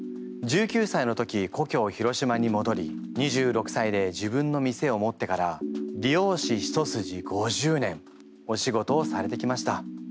１９歳の時こきょう広島にもどり２６歳で自分の店を持ってから理容師一筋５０年お仕事をされてきました。